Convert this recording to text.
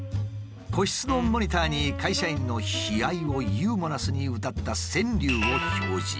個室のモニターに会社員の悲哀をユーモラスにうたった川柳を表示。